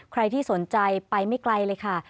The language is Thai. ใครที่สนใจไปไม่ไกลเลยค่ะ